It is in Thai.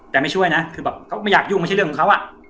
แต่ไม่ช่วยนะคือแบบเขาไม่อยากยุ่งไม่ใช่เรื่องของเขา